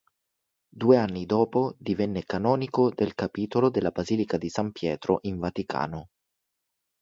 Due anni dopo divenne canonico del capitolo della basilica di San Pietro in Vaticano.